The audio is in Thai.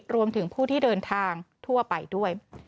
รวมถึงผู้ที่เดินทางทั่วไปด้วย